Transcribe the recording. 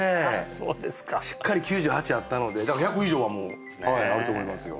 そうですかしっかり９８あったのでだから１００以上はもうはいあると思いますよ